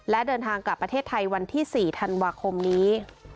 และเดินทางกลับประเทศไทยวันที่๔ธันวาคมนี้